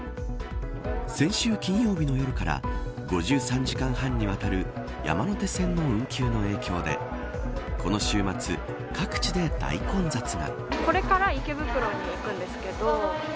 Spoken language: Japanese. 先週金曜日の夜から５３時間半にわたる山手線の運休の影響でこの週末、各地で大混雑が。